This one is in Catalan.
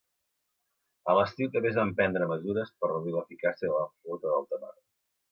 A l'estiu, també es van prendre mesures per reduir l'eficàcia de la Flota d'Alta Mar.